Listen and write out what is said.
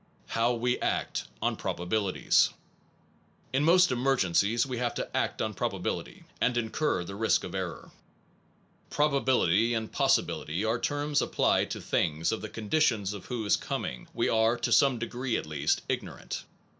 How WE ACT ON PROBABILITIES In most emergencies we have to act on probabil ity, and incur the risk of error. Probability and possibility are terms ap plied to things of the conditions of whose coming we are (to some degree at least) ignorant.